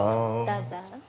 どうぞ。